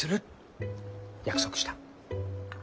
約束した。